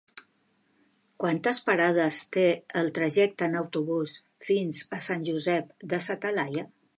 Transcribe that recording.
Quantes parades té el trajecte en autobús fins a Sant Josep de sa Talaia?